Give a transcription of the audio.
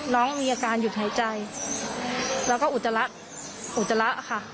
น้องมีอาการหยุดหายใจและอุจจาระ